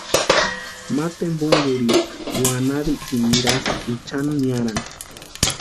Ma tempunkurhiri wanarhitsini nirasti Ichan niarani.